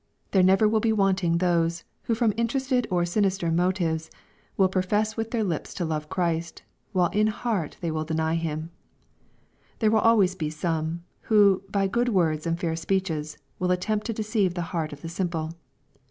There never will be wanting those, who from interested or sinister motives will profess with their lips to love Chrish, while in heart they deny Him. There will always be some, who " by good words and fair speeches," will attempt to deceive the heart of the simple.